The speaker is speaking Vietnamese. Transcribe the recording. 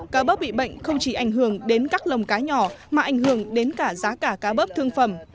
cá bớp bị bệnh không chỉ ảnh hưởng đến các lồng cá nhỏ mà ảnh hưởng đến cả giá cả cá bớp thương phẩm